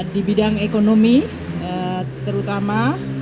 di bidang ekonomi terutama